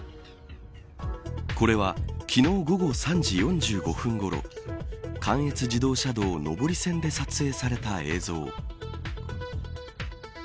これは、昨日午後３時４５分ごろ関越自動車道上り線で撮影された映像。